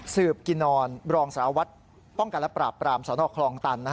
สืบกินนอนรองสารวัตรป้องกันและปราบปรามสนคลองตัน